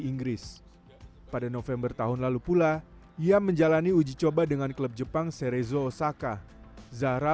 inggris pada november tahun lalu pula ia menjalani uji coba dengan klub jepang serezo osaka zahra